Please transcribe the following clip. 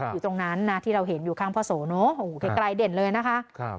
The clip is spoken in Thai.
อยู่ตรงนั้นนะที่เราเห็นอยู่ข้างพ่อโสเนอะโอ้โหไกลเด่นเลยนะคะ